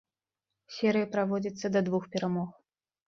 Серыя праводзіцца да двух перамог.